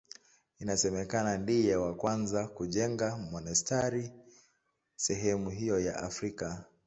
Inasemekana ndiye wa kwanza kujenga monasteri sehemu hiyo ya Afrika.